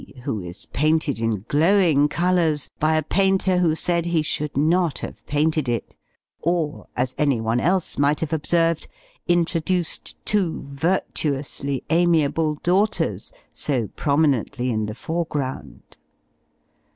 who is painted in glowing colours, by a painter who said he should not have painted it; or, as any one else might have observed, introduced two virtuously amiable daughters, so prominently in the foreground.